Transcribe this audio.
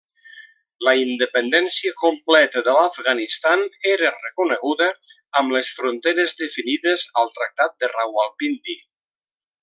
La independència completa de l'Afganistan era reconeguda, amb les fronteres definides al tractat de Rawalpindi.